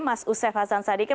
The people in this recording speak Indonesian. mas usef hasan sadikin